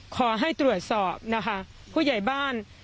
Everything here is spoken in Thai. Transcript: ขอให้ตรวจสอบนะคะผู้ใหญ่บ้าน